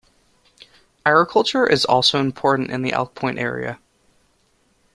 Agriculture is also important in the Elk Point area.